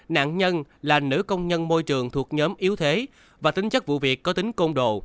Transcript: nạn nhân là nữ công nhân môi trường thuộc nhóm yếu thế và tính chất vụ việc có tính công đồ